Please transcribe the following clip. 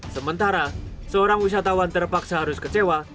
sementara seorang wisatawan terpaksa harus kecewa